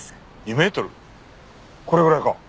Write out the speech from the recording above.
これぐらいか。